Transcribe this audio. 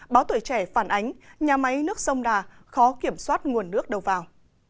báo tuổi trẻ phản ánh nhà máy nước sông đà khó kiểm soát nguồn nước đầu vào